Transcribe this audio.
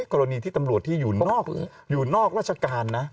กรณีที่ตำรวจที่อยู่นอกราชการนะ